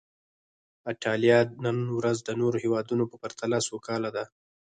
ایټالیا نن ورځ د نورو هېوادونو په پرتله سوکاله ده.